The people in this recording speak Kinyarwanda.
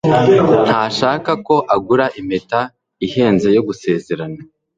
ntashaka ko agura impeta ihenze yo gusezerana